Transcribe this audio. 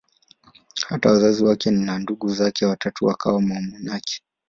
Hata wazazi wake na ndugu zake watatu wakawa wamonaki.